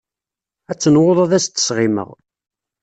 Ad tenwuḍ ad as-d-sɣimeɣ.